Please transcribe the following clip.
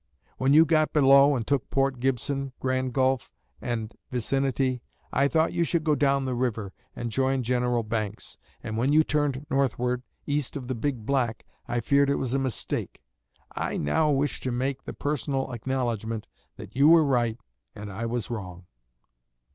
When you got below, and took Port Gibson, Grand Gulf, and vicinity, I thought you should go down the river, and join General Banks, and when you turned northward, east of the Big Black, I feared it was a mistake. I now wish to make the personal acknowledgment that you were right and I was wrong.